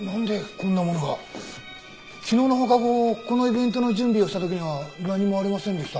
このイベントの準備をした時には何もありませんでした。